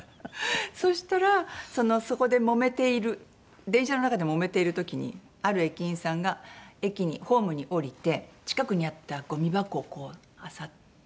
そしたらそこでもめている電車の中でもめている時にある駅員さんがホームに降りて近くにあったゴミ箱をあさって。